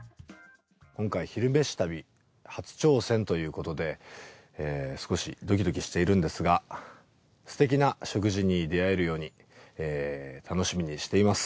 今回「昼めし旅」初挑戦ということで少しドキドキしているんですがステキな食事に出会えるように楽しみにしています。